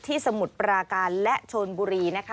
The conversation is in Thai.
สมุทรปราการและชนบุรีนะคะ